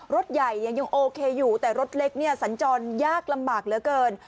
รถใหญ่ยังโอเคอยู่แต่รถเล็กเนี่ยสัญจรยากลำบากเหลือเกิน